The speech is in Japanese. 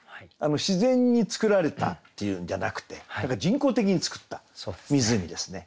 自然につくられたっていうんじゃなくて人工的に造った湖ですね。